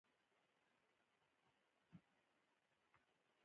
شپون د افغان انسان د فطرت د رنګونو رسامي کوي.